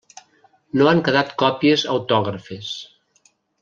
No han quedat còpies autògrafes.